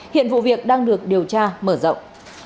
hiện vụ việc đang được điều tra mở rộng